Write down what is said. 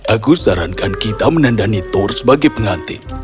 aku sarankan kita menandani thor sebagai pengantin